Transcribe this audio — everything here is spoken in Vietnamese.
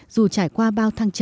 dù trải qua bao thăng trở